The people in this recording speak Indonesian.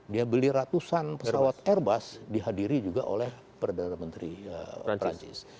dia beli ratusan pesawat airbus dihadiri juga oleh perdana menteri perancis